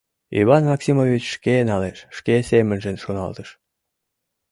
«Иван Максимович шке налеш», — шке семынже шоналтыш.